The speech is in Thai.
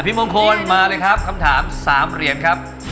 มงคลมาเลยครับคำถาม๓เหรียญครับ